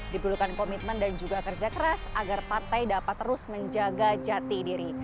diperlukan komitmen dan juga kerja keras agar partai dapat terus menjaga jati diri